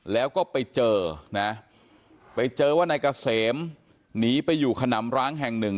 แล้วก็ไปเจอนะไปเจอว่านายเกษมหนีไปอยู่ขนำร้างแห่งหนึ่ง